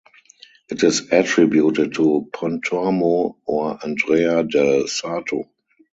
It is attributed to Pontormo or Andrea del Sarto.